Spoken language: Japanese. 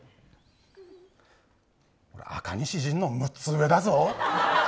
俺、赤西仁の６つ上だぞ？